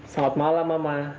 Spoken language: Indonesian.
selamat malam mama